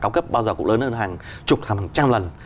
cao cấp bao giờ cũng lớn hơn hàng chục hàng trăm lần